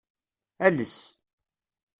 Ales.